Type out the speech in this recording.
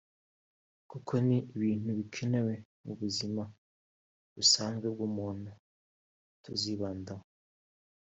kuko ni ibintu bikenewe mu buzima busanzwe bw’umuntu tuzibandaho